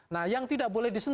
nah yang tidak boleh disentuh